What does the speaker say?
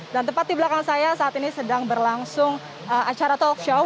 dan tepat di belakang saya saat ini sedang berlangsung acara talk show